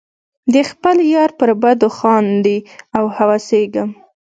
د خپل یار پر بدو خاندې او هوسیږم.